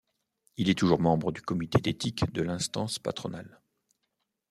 Il est toujours membre du Comité d'éthique de l'instance patronale.